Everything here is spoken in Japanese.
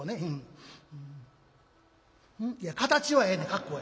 「いや形はええねん格好は。